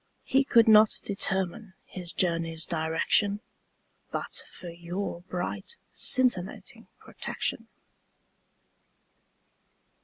He could not determine his journey's direction But for your bright scintillating protection.